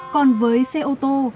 còn với xe ô tô